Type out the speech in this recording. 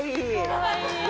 かわいい。